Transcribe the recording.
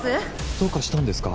どうかしたんですか？